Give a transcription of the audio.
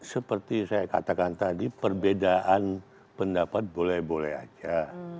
seperti saya katakan tadi perbedaan pendapat boleh boleh aja